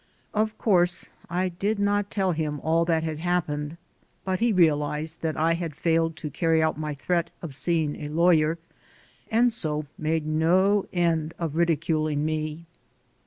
Of course I did not tell liim all that had happened; but he realized that I had failed to carry out my threat of seeing a lawyer, and so made no end of ridiculing me.